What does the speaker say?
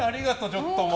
ちょっと、もう。